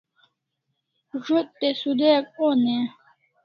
Zo't te sudayak on e ?